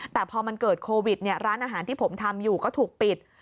แต่พอมันเกิดโควิดร้านอาหารที่ผมทำอยู่ก็ถูกปิด